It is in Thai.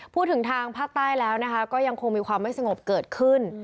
ทางภาคใต้แล้วนะคะก็ยังคงมีความไม่สงบเกิดขึ้น